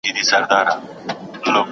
په تنهائئ کښې وي بې درہ، بې ديارہ سړی